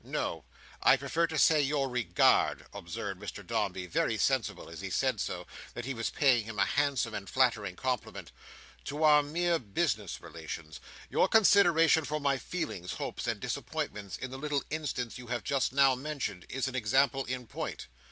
"No; I prefer to say your regard," observed Mr Dombey; very sensible, as he said so, that he was paying him a handsome and flattering compliment, "to our mere business relations. Your consideration for my feelings, hopes, and disappointments, in the little instance you have just now mentioned, is an example in point.